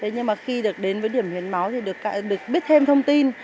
nhưng mà khi được đến với điểm hiến máu thì được biết thêm thông tin